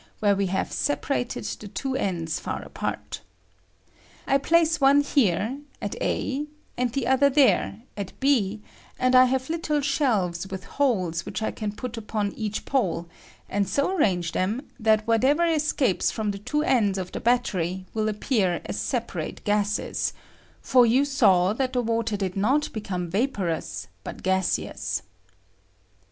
20), where we have separated the two ends far apart. I place one ^^m 106 RESULTS OF DECOMPOSITION OF WATER. ; here (at A), and the other tliere (at b) ; and I Iliave little shelves with holea ■which I can put . Fia. so. L O H upon each pole, aud so arrange them that whatever escapes from the two ends of the battery will appear aa separate gases ; for you saw that the water did not become vaporous, but gaseous.